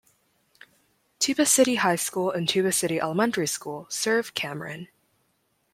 Tuba City High School and Tuba City Elementary School serve Cameron.